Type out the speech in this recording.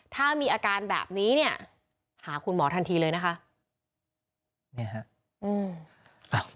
ถ้ามีอาการแบบนี้เนี่ยหาคุณหมอทันทีเลยนะคะ